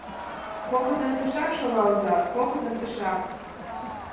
Коктын тышак шогалза, коктын тышак.